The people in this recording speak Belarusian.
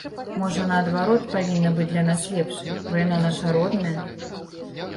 Можа, наадварот, павінна быць для нас лепшай, бо яна наша родная?